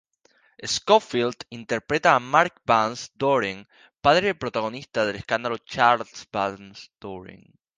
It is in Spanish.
Scofield interpreta a Mark Van Doren, padre del protagonista del escándalo Charles Van Doren.